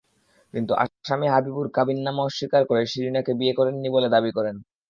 কিন্তু আসামি হাবিবুর কাবিননামা অস্বীকার করে শিরিনাকে বিয়ে করেননি বলে দাবি করেন।